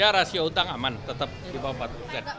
ya rasio utang aman tetap di bawah empat persen